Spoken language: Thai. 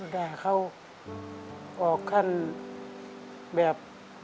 แต่เขาออกขั้นแบบ